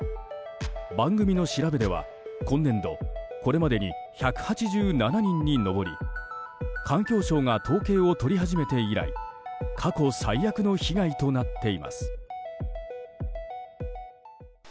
番組の調べでは今年度これまでに１８７人に上り環境省が統計を取り始めて以来過去最悪の被害となっています。